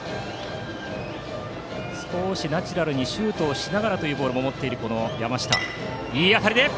少しナチュラルにシュートをしながらというボールも持っている山下です。